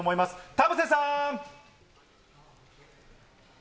田臥さん。